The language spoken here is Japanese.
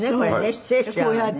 失礼しちゃうわね。